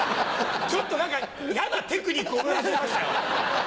ちょっと何か嫌なテクニック覚え始めましたよ！